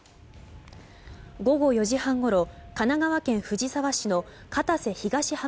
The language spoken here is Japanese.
午後４時半ごろ神奈川県藤沢市の片瀬東浜